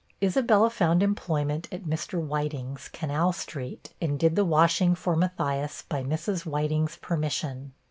Isabella found employment at Mr. Whiting's, Canal street, and did the washing for Matthias by Mrs. Whiting's permission.